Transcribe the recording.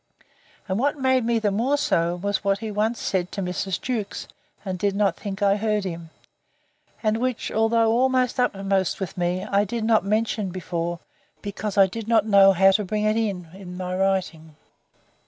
—And what made me the more so, was what he once said to Mrs. Jewkes, and did not think I heard him, and which, though always uppermost with me, I did not mention before, because I did not know how to bring it in, in my writing.